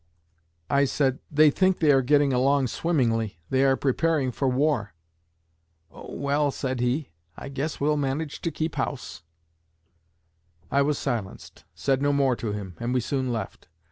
I said, 'They think they are getting along swimmingly they are preparing for war.' 'Oh, well!' said he, 'I guess we'll manage to keep house.' I was silenced, said no more to him, and we soon left.